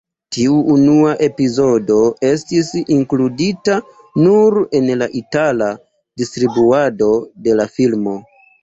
Tiu unua epizodo estis inkludita nur en la itala distribuado de la filmo.